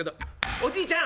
「おじいちゃん